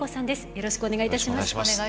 よろしくお願いします。